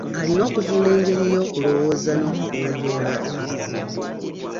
Alina okuzuula engeri y'okulowooza n'okugonjoola ebizibu.